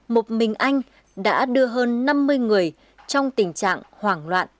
một mình anh đã đưa hơn năm mươi người trong tình trạng hoảng loạn